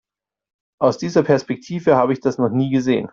Aus dieser Perspektive habe ich das noch nie gesehen.